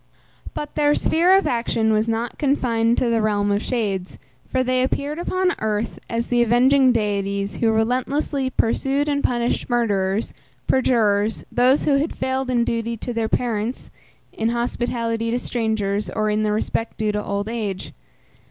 But their sphere of action was not confined to the realm of shades, for they appeared upon earth as the avenging deities who relentlessly pursued and punished murderers, perjurers, those who had failed in duty to their parents, in hospitality to strangers, or in the respect due to old age.